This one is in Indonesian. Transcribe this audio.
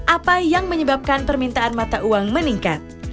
apa yang menyebabkan permintaan mata uang meningkat